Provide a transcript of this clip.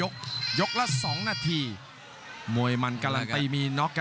กรุงฝาพัดจินด้า